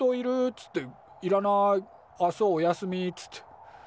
っつって「いらない」「あっそうおやすみ」っつって。